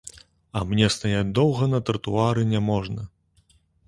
А мне стаяць доўга на тратуары няможна.